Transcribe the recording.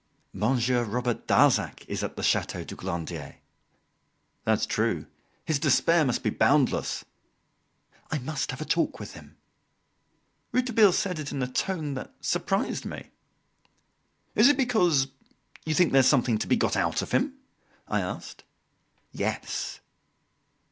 "Monsieur Robert Darzac is at the Chateau du Glandier." "That's true. His despair must be boundless." "I must have a talk with him." Rouletabille said it in a tone that surprised me. "Is it because you think there is something to be got out of him?" I asked. "Yes."